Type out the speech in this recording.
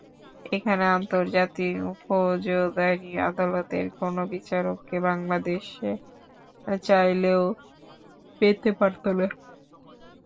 এখানে আন্তর্জাতিক ফৌজদারি আদালতের কোনো বিচারককে বাংলাদেশ চাইলেও পেতে পারত না।